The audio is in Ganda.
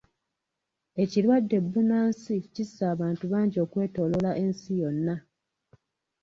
Ekirwadde bbunansi kisse abantu bangi okwetooloola ensi yonna.